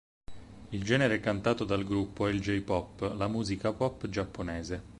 Il genere cantato dal gruppo è il "J-pop", la musica pop giapponese.